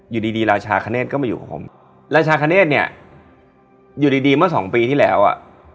อยู่ดีดีราชาคเนธก็มาอยู่กับผมราชาคเนธเนี่ยอยู่ดีดีเมื่อสองปีที่แล้วอ่ะ